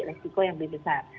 resiko yang lebih besar